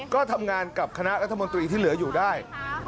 ก็ทำงานกับคณะรัฐมนตรีที่เหลืออยู่ได้